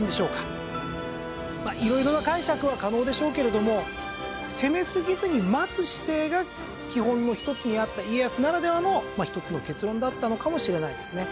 まあ色々な解釈が可能でしょうけれども攻めすぎずに待つ姿勢が基本の一つにあった家康ならではの一つの結論だったのかもしれないですね。